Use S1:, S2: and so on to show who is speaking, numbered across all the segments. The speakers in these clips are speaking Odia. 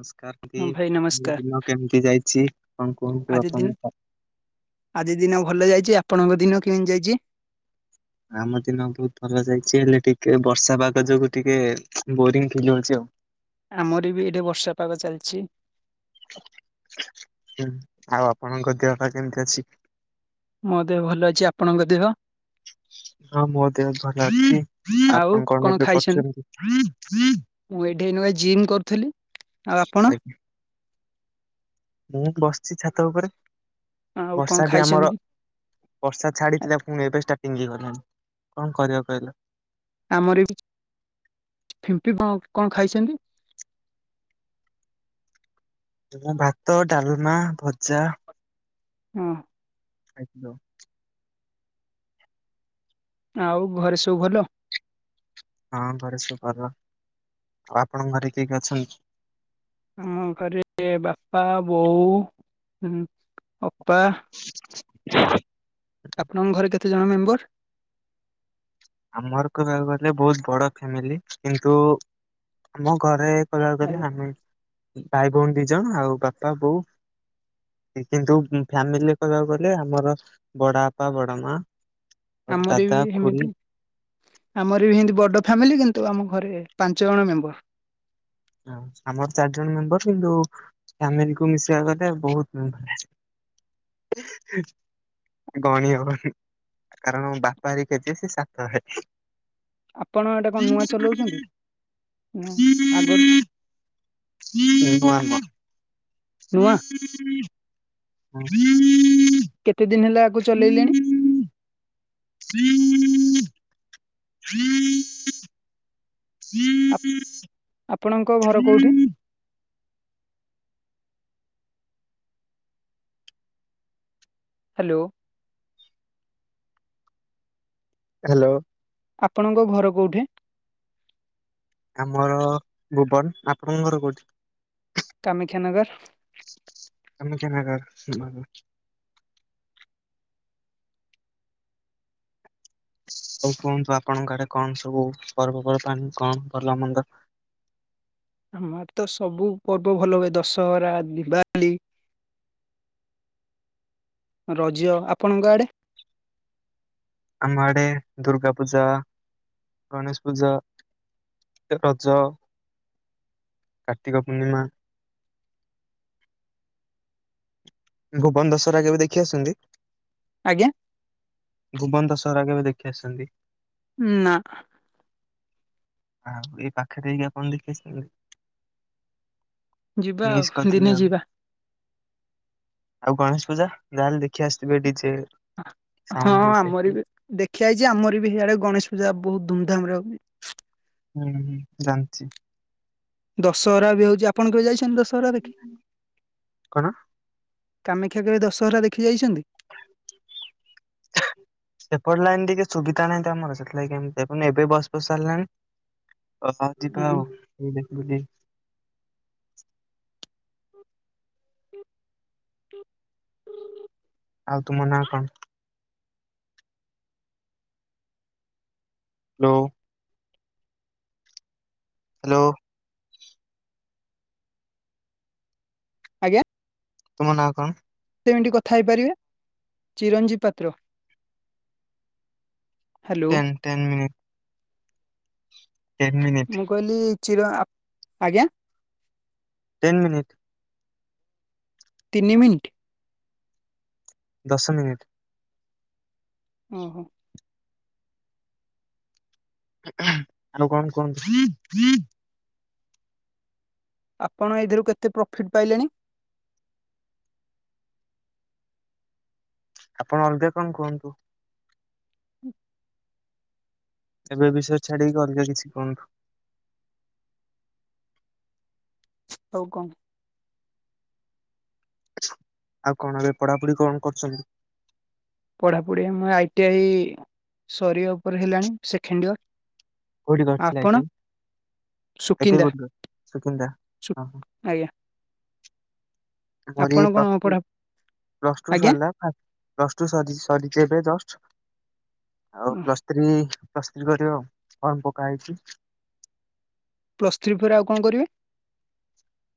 S1: ନମସ୍କାର
S2: ହଁ
S1: [unintelligible]
S2: ଭାଇ
S1: ଆପଣଙ୍କ
S2: ନମସ୍କାର
S1: ଦିନ କେମିତି ଯାଇଚି କଣ କୁହନ୍ତୁ
S2: ଆଜି ଦିନ
S1: ଆପଣ?
S2: ଆଜି ଦିନ ଭଲ ଯାଇଚି ଆପଣଙ୍କ ଦିନ କେମିତି ଯାଇଚି?
S1: ଆମ ଦିନ ବହୁତ ଭଲ ଯାଇଚି ହେଲେ ଟିକେ ବର୍ଷା ପାଗ ଯୋଗୁ ଟିକେ ବୋରିଙ୍ଗ୍ ଫିଲ୍ ହଉଚି ଆଉ।
S2: ଆମର ବି ଏଇଠେ ବର୍ଷା ପାଗ ଚାଲିଚି।
S1: ହୁଁ -ଆଉ ଆପଣଙ୍କ ଦେହ ପା କେମିତି ଅଛି?
S2: ମୋ ଦେହ ଭଲ ଅଛି- ଆପଣଙ୍କ ଦେହ?
S1: ହଁ ମୋ ଦେହ ଭଲ ଅଛି-
S2: ଆଉ
S1: ଆପଣ କଣ ଏବେ
S2: ଖାଇଛନ୍ତି?
S1: କରୁଚନ୍ତି?
S2: ମୁଁ ଏଠେଇ ଏଇନୁ ଜିମ୍ କରୁଥିଲି -ଆଉ ଆପଣ?
S1: ଆଜ୍ଞା ମୁଁ ବସିଚି ଛାତ ଉପରେ
S2: ଆଉ କଣ
S1: ବର୍ଷା ବି
S2: ଖାଇଛନ୍ତି
S1: ଆମର
S2: କି?
S1: ବର୍ଷା ଛାଡିଥିଲା ପୁଣି ଏବେ ଷ୍ଟାର୍ଟିଙ୍ଗ୍ ହେଇଗଲାଣି କଣ କରିବ କହିଲ।
S2: ଆମର [unintelligible] କଣ ଖାଇଚନ୍ତି?
S1: ଭାତ, ଡାଲ୍ମା, ଭଜା
S2: ହୁଁ।
S1: ଖାଇ
S2: ଆଉ ଘରେ ସବୁ ଭଲ?
S1: ହଁ ଘରେ ସବୁ ଭଲ -ଆଉ ଆପଣଙ୍କ ଘରେ କିଏ କିଏ ଅଛନ୍ତି?
S2: ଆମ ଘରେ ବାପା, ବୋଉ, ଅପା ଆପଣଙ୍କ ଘରେ କେତେଜଣ ମେମ୍ବର?
S1: ଆମର କହିବାକୁ ଗଲେ ବହୁତ ବଡ ଫ୍ୟାମିଲି କିନ୍ତୁ ଆମ ଘରେ କହିବାକୁ ଗଲେ
S2: ଆଜ୍ଞା
S1: ଆମେ ଭାଇ ଭଉଣୀ ଦି ଜଣ ଆଉ ବାପା ବୋଉ। କିନ୍ତୁ ଫ୍ୟାମିଲିରେ କହିବାକୁ ଗଲେ ଆମର ବଡ ବାପା ବଡ ମା ଆଉ
S2: ଆମର
S1: ଦାଦା
S2: ବି
S1: ଖୁଡି
S2: ହେମିତି ଆମର ବି ହେମିତି ବଡ ଫ୍ୟାମିଲି କିନ୍ତୁ ଆମ ଘରେ ପାଞ୍ଚ ଜଣ ମେମ୍ବର।
S1: ହ ଆମର ଚାରି ଜଣ ମେମ୍ବର କିନ୍ତୁ ଫ୍ୟାମିଲି କୁ ମିଶିଇବା କୁ କଲେ ବହୁତ ଗଣ ହବନି କାରଣ ବାପା ହରିକା ଯେ ସେ ସାତ ଭାଇ।
S2: ଆପଣ ଏଇଟା କଣ ନୂଆ ଚଲଉଛନ୍ତି ନା ଆଗରୁ। ନୂଆ
S1: [unintelligible]
S2: କେତେ ଦିନି ହେଲା ଆକୁ ଚଲେଇଲେଣି।
S1: ହୁଁ ହୁଁ ହୁଁ ହ
S2: ଆପଣଙ୍କ ଘର କୋଉଠି? ହ୍ୟାଲୋ।
S1: ହ୍ୟାଲୋ।
S2: ଆପଣଙ୍କ ଘର କୋଉଠି?
S1: ଆମର ଭୁବନ ଆପଣଙ୍କ ଘର କୋଉଠି?
S2: କାମାକ୍ଷାନଗର।
S1: ତମେ କେନା କାର ମାନ୍ ହୋଉ କୁହନ୍ତୁ ଆପଣଙ୍କ ଆଡେ କଣ ସବୁ ପର୍ବପର୍ବାଣି କଣ ଭଲ ମନ୍ଦ?
S2: ଆମର ତ ସବୁ ପର୍ବ ଭଲ ହୁଏ ଦଶହରା ଦିିବାଲି। ରଜ ଆପଣଙ୍କ ଆଡେ
S1: ଆମ ଆଡେ ଦୁର୍ଗା ପୂଜା ଗଣେଶ ପୂଜା। ରଜ କାର୍ତ୍ତିକ ପୂର୍ଣ୍ଣିମା। ଭୁବନ ଦଶହରା କେବେ ଦେଖି ଆସ୍‌ଛନ୍ତି।
S2: ଆଜ୍ଞା।
S1: ଭୁବନ ଦଶହରା କେବେ ଦେଖି ଆସିଛନ୍ତି?
S2: ନା।
S1: ଆଉ ଏଇ ପାଖରେ ଇଏ କରନ୍ତି [unintelligible]
S2: ଯିବା ଆଉ
S1: ମିସ୍
S2: ଦିନେ
S1: କରିଥିଲି ଆଉ।
S2: ଯିବା
S1: ଆଉ ଗଣେଶ ପୂଜା ଯାହେଲେ ଦେଖି ଆସିଥିବେ ଡିଜେ।
S2: ହଁ
S1: ସାଉଣ୍ଡ ଦେଖି
S2: ଆମର
S1: ଆସିଥିବେ।
S2: ବି ଦେଖିଆ ହେଇଛି ଆମର ବି ହେଇଆଡେ ଗଣେଶ ପୂଜା ବହୁତ ଧୁମ୍ ଧାମ୍ ରେ ହୋଉଛି।
S1: ହୁଁ ହୁଁ ଜାଣିଛି।
S2: ଦଶହରା ବି ହୋଉଛି ଆପଣ କେବେ ଯାଇଛନ୍ତି ଦଶହରା ଦେଖି?
S1: କଣ
S2: କାମାକ୍ଷା କେବେ ଦଶହରା ଦେଖି ଯାଇଛନ୍ତି?
S1: ସେପଟ ଲାଇନ ଟିକେ ସୁବିଧା ନାହିଁତ ଆମର ସେଥିଲାଗି କେମିତି ଏବେ ବସ ଫସ ଚାଲିଲାଣି। ହଁ ଯିବା
S2: ହୁଁ
S1: ଆଉ ଦେଖିବୁ ଟିକେ।
S2: ହ
S1: ଆଉ ତୁମ ନାଁ କଣ? ହ୍ୟାଲୋ। ହ୍ୟାଲୋ।
S2: ଆଜ୍ଞା।
S1: ତୁମ ନାଁ କଣ?
S2: ସେମିତି କଥା ହେଇପାରିବେ Chiranjeeb Patra. Hello
S1: ten ten minute. Ten minute.
S2: ମୁଁ କହିଲି ଚିର ଆ ଆଜ୍ଞା।
S1: Ten minute.
S2: ତିନି ମିନିଟ
S1: ଦଶ ମିନିଟ୍।
S2: ଓହୋ।
S1: ଆଉ କଣ କୁହନ୍ତୁ?
S2: ଆପଣ ଏଇଥିରୁ କେତେ ପ୍ରଫିଟ୍ ପାଇଲେଣି?
S1: ଆପଣ ଅଲଗା କଣ କୁହନ୍ତୁ।
S2: ହୁଁ।
S1: ଏବେ ଏଇ ବିଷୟ ଛାଡିକି ଅଲଗା କିଛି କୁହନ୍ତୁ।
S2: ହଉ କଣ
S1: ଆଉ କଣ ଏବେ ପଢାପଢି କଣ କରୁଛନ୍ତି?
S2: ପଢ଼ାପଢି ଆମ ଆଇଟି ଆଇ ସରିିବା ଉପରେ ହେଲାଣି ସେଖେଣ୍ଡ ଇୟର।
S1: କୋଉଠି କରିଥିଲେ ଆଇ
S2: ଆପଣ
S1: T I I T I
S2: Sukinda
S1: କୋଉଠି କରି ସୁକିନ୍ଦା
S2: ସୁ
S1: ହ ହଁ।
S2: ଆଜ୍ଞା।
S1: ମୋରି
S2: ଆପଣ
S1: ଏଇ
S2: କଣ
S1: ପ୍ଲଷ ଟୁ
S2: ପଢା
S1: ପ୍ଲସ ଟୁ
S2: ଆଜ୍ଞା
S1: ସଇଲା ପ୍ଲସ୍ ଟୁ ସରି ସରିଛି ଏବେ ଜଷ୍ଟ ଆଉ ପ୍ଲସ୍ [unintelligible] ପ୍ଲସ ଥ୍ରୀ କରିବ ଫର୍ମ ପକା ହେଇଚି
S2: ପ୍ଲସ ଥ୍ରୀ ପରେ ଆଉ କଣ କରିବେ?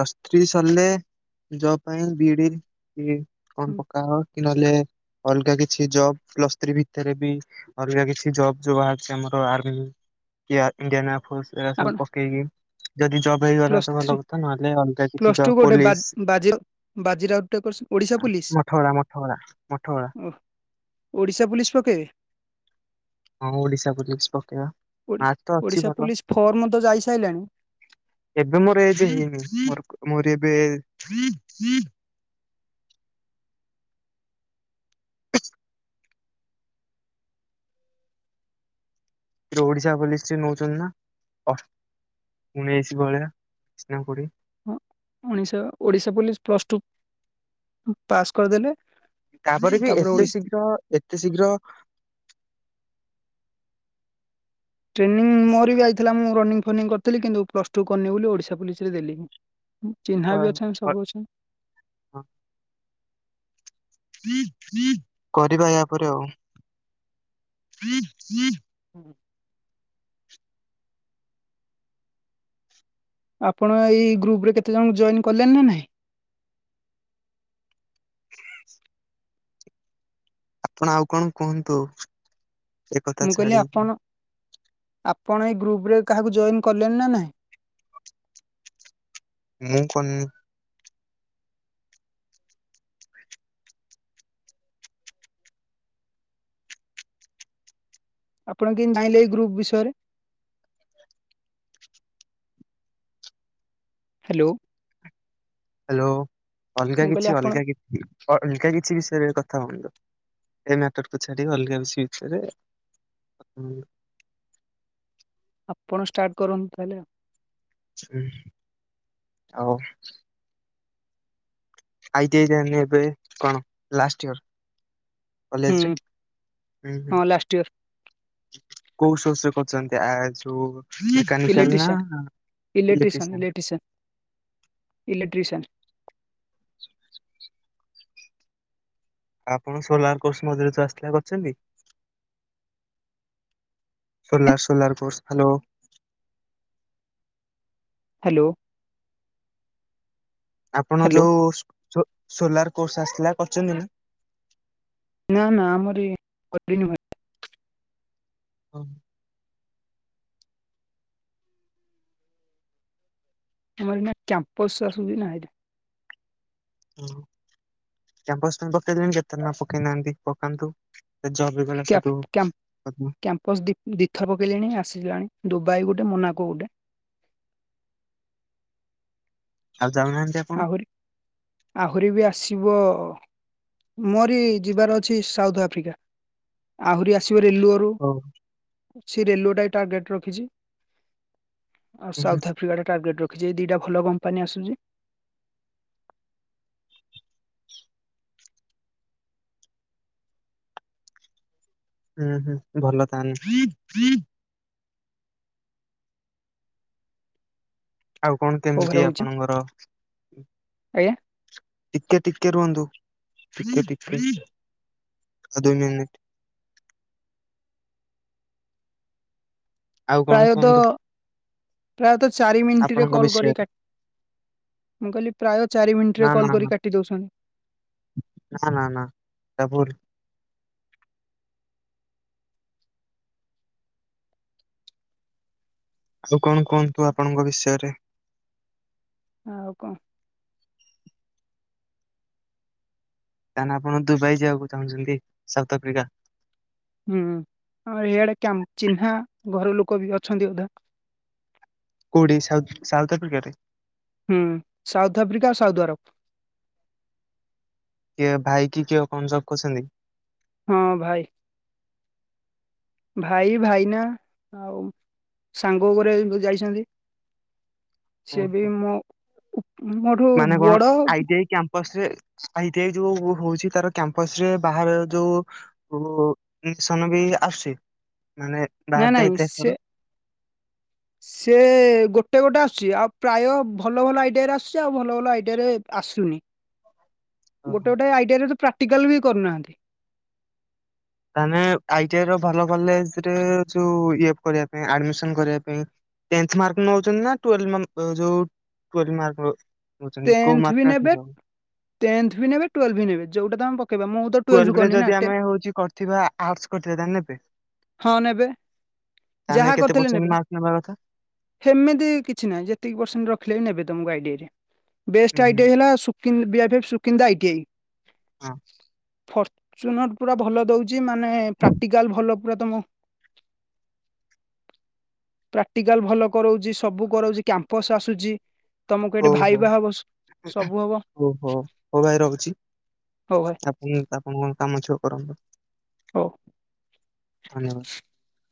S1: ପ୍ଲସ ଥ୍ରୀ ସରିଲେ ଜବ ପାଇଁ ବି ଇ ଡି କଣ ପକା ହବ। ନହଲେ ଅଲଗା କିଛି ଜବ ପ୍ଲସ୍ ଥ୍ରୀ ଭିତରେ ବି ଆଲଗା କିଛି ଜବ ଯୋ ବାହାରୁଛି ଆମର ଆର୍ମି କି ଇଣ୍ଡିଆ ଏୟାର ଫୋର୍ସ ଏଇରା
S2: ଆପଣ
S1: ସବୁ ପକେଇକି ଯଦି ଜବ ହେଇଗଲା
S2: ପ୍ଲସ୍
S1: ତ
S2: ଥ୍ରୀ
S1: ଭଲ କ ନହେଲେ ଅଲଗା କିଛି
S2: ପ୍ଲସ୍
S1: ଜବ
S2: ଟୁ ଗୋଟେ ବା
S1: ପୋଲିସ
S2: ବାଜି ବାଜି ରାଉତ କରିସ ଓଡିଶା ପୁଲିସ
S1: ମଠଗୋଳା ମଠଗୋଳା ମଠଗୋଳା।
S2: ଓ ଓଡ଼ିଶା ପୋଲିସ ପକେଇବେ?
S1: ହଁ ଓଡିଶା ପୋଲିସ ପକେଇବା। ମାର୍କ ତ ଅଛି
S2: ଓଡ଼ିଶା
S1: ଭଲ
S2: ପୋଲିସ ଫର୍ମ ତ ଯାଇସାଇଲାଣି।
S1: ଏବେ ମୋର ଏଜ ହେଇନି ମୋ ମୋର ଏବେ ଓଡ଼ିଶା ପୋଲିଷ ନେଉଛନ୍ତି ନା ଅ ଉଣେଇଶି ଭଳିଆ ନା କୋଡିଏ।
S2: Odisha Odisha police plus two pass କରିଦେଲେ
S1: ତାପରେ ବି ଏତେ ଶୀଘ୍ର ଏତେ ଶୀଘ୍ର
S2: ଟ୍ରେନିଂ ମୋର ବି ଆଇଥିଲା ମୁଁ ରନିଙ୍ଗ ଫନିଂ କରିଥିଲି କିନ୍ତୁ ପ୍ଲସ୍ ଟୁ କରିନି ବୋଲି ଓଡିଶା ପଲିସରେ ଦେଲିନି। ଚିହ୍ନା ବି
S1: କ-
S2: ଅଛନ୍ତି
S1: କ-
S2: ସବୁ ଅଛନ୍ତି।
S1: କରିବା ୟାପରେ ଆଉ। [inaudible]
S2: ହୁଁ। ଆପଣ ଏଇ ଗ୍ରୁପ ରେ କେତେ ଜଣ ଜଏନ କଲେଣି ନା ନାଇଁ।
S1: [inaudible] ଆପଣ ଆଉ କଣ କୁହନ୍ତୁ। ଏକଥା
S2: ମୁଁ କହିଲି
S1: ଛାଡି
S2: ଆପଣ ଆପଣ ଏଇ ଗ୍ରୁପ ରେ କାହାକୁ ଜଏନ କଲେଣି ନା ନାହିଁ।
S1: ମୁଁ କନ୍।
S2: ଆପଣ କେହି ଚାହିଁଲେ ଏଇ ଗ୍ରୁପ ବିଷୟରେ। ହ୍ୟାଲୋ।
S1: ହ୍ୟାଲୋ ଅଲଗା
S2: ମୁଁ କହିଲି
S1: କିଛି
S2: ଆପଣ
S1: ଅଲଗା କିଛି ଅଲଗା କିଛି ବିଷୟରେ କଥା ହୁଅନ୍ତୁ। ଏ ମ୍ୟାଟରକୁ ଛାଡି ଅଲଗା କିଛି ବିଷୟ ରେ
S2: ଆପଣ ଷ୍ଟାର୍ଟ କରନ୍ତୁ ତାହେଲେ ଆଉ।
S1: ହଁ ଆଉ। ଆ ଟି ଆଇ ତା ହନେ ଏବେ କଣ ଲାଷ୍ଟ ଇୟର।
S2: ହୁଁ
S1: କଲେଜ ରି ହୁଁ ହଁ।
S2: ଲାଷ୍ଟ ଇୟର
S1: କୋଉ ଶ ସେ କରୁଛନ୍ତି ଆ ଯଉ। ମେକାନିକାଲ ନା
S2: ଇଲେକ୍ଟ୍ରିସିଆନ୍
S1: ଏଲେକ୍ଟ୍ରିସଆନ୍।
S2: ଇକ୍ଟ୍ରିସିଏନ୍।
S1: ଆପଣ ସୋଲାର କୋର୍ସ ମୋ ଦେହରେ ଚାଆସିଲ କରିଛନ୍ତି। ସୋଲାର ସୁୋଲାର କୋର୍ଶ୍ ଭଲୋ।
S2: ହ୍ୟାଲୋ।
S1: ଆପଣ
S2: ହ୍ୟାଲୋ
S1: ଯୋଉ ସ୍ ସୋ ସୋଲାର କୋର୍ସ ଆସିଥିଲା କରିଛନ୍ତି ନା?
S2: ନା ନା ଆମର ଏ କରି ନୁଁ ଭା
S1: ହଁ।
S2: ଆମର ଏଇନା କ୍ୟାମ୍ପସ ଆସୁଛି ନା ଏଇଠି
S1: ଓ୍ୟାମ୍ପସ ପାଇଁ ପକେଇଲେଣି କେତେଜଣ ପକେଇନାହାନ୍ତି ପକାନ୍ତୁ। ସେ ଜବ ବି କଲେ।
S2: କିଆ କ୍ୟାମ୍ କ୍ୟାମ୍ପସ୍ ଦ୍ୱୀଥ ପକେଇଲିଣି ଆସିଲାଣି ଦୁବାଇ ଗୋଟେ ମୋନାକ ଗୋଟେ।
S1: ଆଉ ଯାଉନାହାନ୍ତି। ଆ
S2: ଆହୁରି। ଆହୁରି ବି ଆସିବ ମୋରି ଯିବାର ଅଛି ସାଉଥ ଆଫ୍ରିକା। ଆହୁରି ଆସିବ ରେଲୁଓ।
S1: ହଉ।
S2: ରେସିରିଅଲ୍ ଉରେଟଗେଟ ରଖିଛି ଆଉ
S1: ହୁଁ
S2: ଶା।।
S1: ହୁଁ
S2: ଫିା ଟାର୍ଗେଟ ରିଖିଛି ଦୁଟା ଭଲ କପାନି ଆସୁଛି।
S1: ହୁଁ ହୁଁ ଭଲ ତାହେନେ। ଆଉ କଣ
S2: ଓଭର
S1: କେମିତି
S2: ହଉଛି
S1: ଆପଣଙ୍କର।
S2: ଆଜ୍ଞା।
S1: ଟିକେ ଟିକେ ରୁହନ୍ତୁ ଟିକେ ଟିକେ ଆଉ ଦୁଇ ମିନିଟ୍। ଆଉ କଣ
S2: ପ୍ରାୟଦ
S1: କୁହନ୍ତୁ
S2: ପ୍ରାୟତଃ ଚାରି ମିନିଟ୍ ରେ
S1: ଆପଣଙ୍କ
S2: କଲ୍ କରିିକି
S1: ବିଷୟରେ
S2: କାଟି ମୁଁ କହିଲି ପ୍ରାୟ ଚାରି ମିନିଟ୍ ରେ
S1: ନା ନା
S2: କଲ୍
S1: ନା
S2: କରି କାଟି ଦେଉଛନ୍ତି।
S1: ନା ନା ନା ସେଟା ଭୁଲ୍। ଆଉ କଣ କୁହନ୍ତୁ ଆପଣଙ୍କ ବିଷୟରେ।
S2: ଆଉ କ
S1: ତାହାନେ ଆପଣ ଦୁବାଇ ଯିବାକୁ ଚାହୁଁଛନ୍ତି ସାଉଥ ଆଫ୍ରିକା।
S2: ହୁଁ ଆଉ ଇଆଡ଼େ କିଆ ଚିହ୍ନା ଘର ଲୋକ ବି ଅଛନ୍ତି ଅଧା।
S1: କୋଉଠି ସାଉ ସାଉଥ୍ ଆଫ୍ରିକାରେ।
S2: ହୁଁ ସାଉଥ୍ ଆଫ୍ରିକା ଆଉ ସାଉଦ୍ ଆରବ।
S1: କିଏ ଭାଇ କି କିଏ କଣ ଜବ୍ କରୁଛନ୍ତି।
S2: ହଁ ଭାଇ। ଭାଇ ଭାଇନା ଆଉ ସାଙ୍ଗ ଗୁରେ ଏବେ ଯାଇଛନ୍ତି।
S1: [inaudible]
S2: ସିଏବି ମୋ ମୋଠୁ ବଡ଼।
S1: ପଛରେ ସାଇଡେ ଯୋଉ ହଉଚି ତାର କ୍ୟାମ୍ପସ ରେ ବାହାର ରେ ଯୋଉ କୋଉ ମିଶନ ବି ଆସୁଚି ମାନେ
S2: ନା
S1: ବାହାରେତେ
S2: ନାଇଁ ସେ
S1: ଏତେ
S2: ସେ ଗୋଟେ ଗୋଟେ ଆସୁଛି ଆଉ ପ୍ରାୟ ଭଲ ଭଲ ଆଇଡିଆରେ ଆସୁଛି ଆଉ ଭଲ ଭଲ ଆଇଡିଆରେ ଆସୁନି।
S1: ଓହୋ।
S2: ଗୋଟେ ଗୋଟେ ଆଇଟିଆଇ ତ ପ୍ରାକ୍ଟିକାଲ୍ ବି କରୁନାହାନ୍ତି।
S1: ତାହେନେ ଆଇଟିଆଇ ଭଲ କଲେଜ୍ ରେ ଯଉ ଇଏଫ୍ କରିବା ପାଇଁ ଆଡମିଶନ୍ କରିବା ପାଇଁ ଟେନ୍ଥ ମାର୍କ ନୋଉଚନ୍ତି ନାଁ ଟୁଏଲ୍ ନଂ ଟୁଏଲ୍ ମାର୍କର? ନୋଉଚନ୍ତି କୋଉ
S2: ଟେନ୍ଥ ବି
S1: ମାର୍କଟା
S2: ନେବେ
S1: ଠିକ୍ ହବ।
S2: ଟେନ୍ଥ ବି ନେବେ ଟୁଏଲ୍ ବି ନେବେ ଯଉଟା ତମେ ପ କେବେ ମୁଁ ତ ଟୁଏଲ୍ଭ
S1: ଟୁଏଲ୍ ରେ
S2: କରିନି ନା
S1: ଯଦି
S2: ଟେ
S1: ଆମେ ହଉଚି କରିଥିବା ଆଡ୍ସ୍ କରିଥିବା ତାହେଲେ ନେବେ।
S2: ହଁ ନେବେ।
S1: ତାହେନେ କେତେ ପରସେଣ୍ଡେ ମାର୍କେ ନେବା କଥା?
S2: ହେମିତି କିଛି ନାହିଁ ଯେତିକି ପରସେଣ୍ଟ ରଖିଲେ ବି ନେବେ ତୁମକୁ ଆଇଟାଇରେ।
S1: ହୁଁ
S2: ବେଷ୍ଟ
S1: ହୁଁ
S2: ଆଇଟିଆଇ ହେଲା ସୁକି ବିହାବିହର୍ ସୁକିନ୍ଦା ଆଇଟିଆଇ।
S1: ହଁ
S2: ଫର୍ଚୁନର ପୁରା ଭଲ ଦଉଚି ମାନେ ପ୍ରାକ୍ଟିକାଲ ଭଲ। ପୁରାତମ ପ୍ରାକ୍ଟିକାଲ୍ ଭଲ କରଉଚି ସବୁ କରଉଛି କ୍ୟାମ୍ପସ୍ ଆସୁଛି ତମକୁ ଏଠି ଭା
S1: ଓହୋ ଓହୋ ହଉ ଭାଇ ରହୁଚି।
S2: ହଉ ଭାଇ
S1: ହୁଁ ଆପଣ କାମ ଛୁଅ କରନ୍ତୁ।
S2: ହଉ।
S1: ଧନ୍ୟବାଦ।